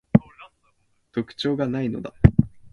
特徴が無いのだ